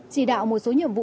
chỉ đạo một số nhiệm vụ